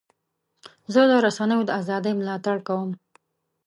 زه د رسنیو د ازادۍ ملاتړ کوم.